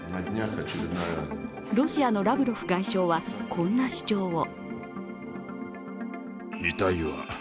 ロシアのラブロフ外相は、こんな主張を。